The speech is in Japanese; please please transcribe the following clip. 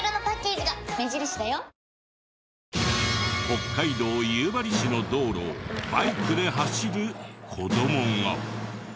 北海道夕張市の道路をバイクで走る子供が。